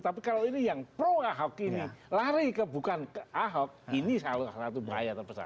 tapi kalau ini yang pro aho ini lari ke bukan aho ini selalu satu bahaya terbesar